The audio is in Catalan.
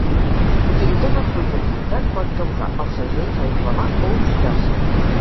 Utilitzant el fluid equivocat pot causar els segells a inflamar o oxidar-se.